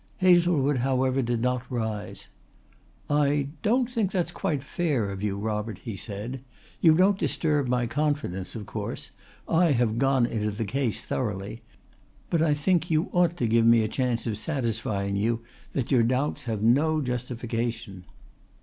Hazlewood, however, did not rise. "I don't think that's quite fair of you, Robert," he said. "You don't disturb my confidence, of course I have gone into the case thoroughly but I think you ought to give me a chance of satisfying you that your doubts have no justification."